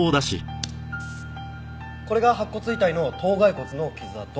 これが白骨遺体の頭蓋骨の傷痕。